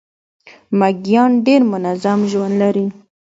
میږیان ډیر منظم ژوند لري